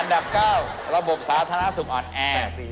ดับ๙ระบบสาธารณสุขอ่อนแอ